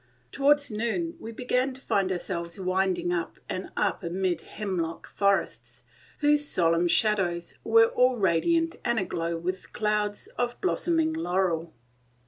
Towards noon we began to find ourselves winding up and up amid hemlock forests, whose solemn shadows were all radiant and aglow with clouds of blossoming laurel.